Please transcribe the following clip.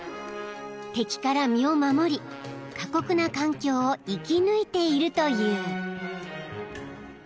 ［敵から身を守り過酷な環境を生き抜いているという］